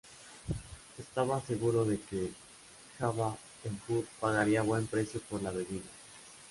Estaba seguro de que Jabba el hutt pagaría buen precio por la bebida.